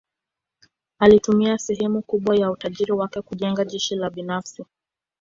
Alitumia sehemu kubwa ya utajiri wake kujenga jeshi la binafsi.